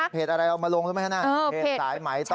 เพจอะไรเอามาลงด้วยไหมฮะนะเพจสายไหมต้องรอด